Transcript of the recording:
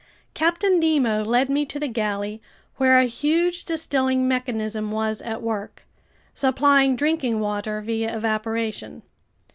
Captain Nemo led me to the galley where a huge distilling mechanism was at work, supplying drinking water via evaporation.